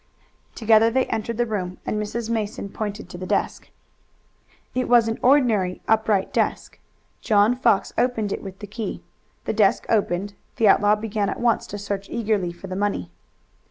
Together they entered the room and Mrs. Mason pointed to the desk. It was an ordinary upright desk. John Fox opened it with the key. The desk opened, the outlaw began at once to search eagerly for the money.